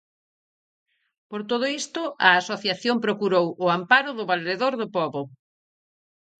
Por todo isto, a asociación procurou o amparo do Valedor do Pobo.